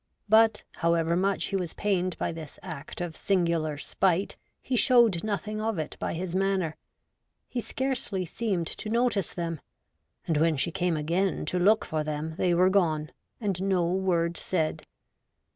But, however much he was pained by this act of singular spite, he showed nothing of it by his manner. He scarcely seemed to notice them, and when she came again to look for them they were gone, and no word said.